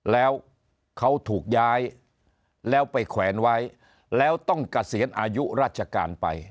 แล้วเขาถูกย้ายแล้วไปแขวนไว้แล้วต้องเกษียณอายุราชการไป